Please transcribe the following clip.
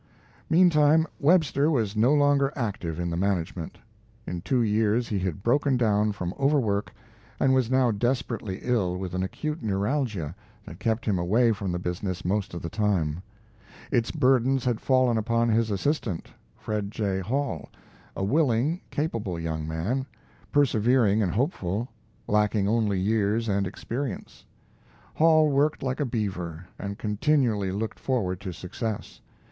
Meantime, Webster was no longer active in the management. In two years he had broken down from overwork, and was now desperately ill with an acute neuralgia that kept him away from the business most of the time. Its burdens had fallen upon his assistant, Fred J. Hall, a willing, capable young man, persevering and hopeful, lacking only years and experience. Hall worked like a beaver, and continually looked forward to success.